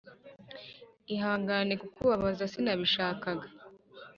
ihangane kukubabaza sinabishakaga